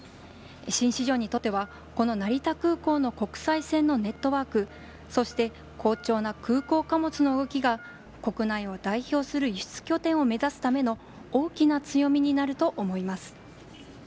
新市場にとってはこの成田空港の国際線のネットワーク、そして好調な空港貨物の動きが国内を代表する輸出拠点を目指すための大きな強みになると思います。